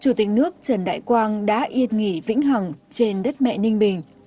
chủ tịch nước trần đại quang đã yên nghỉ vĩnh hằng trên đất mẹ ninh bình